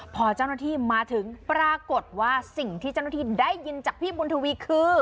พอเจ้าหน้าที่มาถึงปรากฏว่าสิ่งที่เจ้าหน้าที่ได้ยินจากพี่บุญทวีคือ